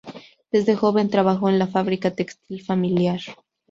Desde joven trabajó en la fábrica textil familiar.